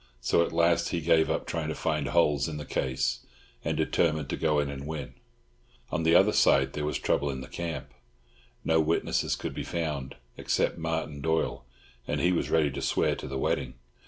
So at last he gave up trying to find holes in the case, and determined to go in and win. On the other side there was trouble in the camp—no witnesses could be found, except Martin Doyle, and he was ready to swear to the wedding.